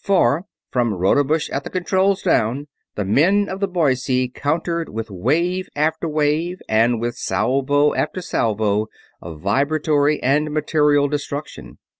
For from Rodebush at the controls down, the men of the Boise countered with wave after wave and with salvo after salvo of vibratory and material destruction.